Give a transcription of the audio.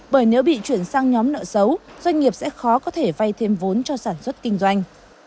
bởi nếu bị chuyển sang nhóm nợ xấu doanh nghiệp sẽ khó có thể vay thêm vốn cho sản xuất kinh doanh